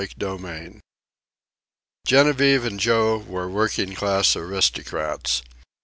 CHAPTER II Genevieve and Joe were working class aristocrats.